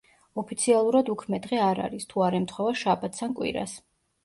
ოფიციალურად უქმე დღე არ არის, თუ არ ემთხვევა შაბათს ან კვირას.